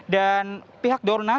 dan pihak dorna